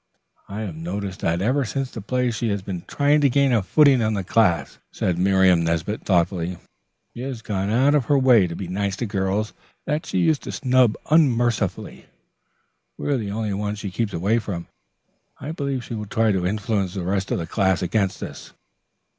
"I have noticed that ever since the play she has been trying to gain a footing in the class," said Miriam Nesbit thoughtfully. "She has gone out of her way to be nice to girls that she used to snub unmercifully. We are the only ones she keeps away from. I believe she will try to influence the rest of the class against us."